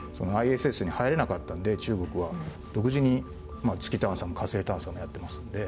ＩＳＳに入れなかったんで中国は独自に月探査も火星探査もやってますんで。